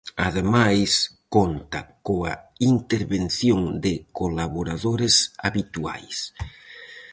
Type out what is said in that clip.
Ademais, conta coa intervención de colaboradores habituais.